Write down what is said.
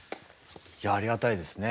いやありがたいですね。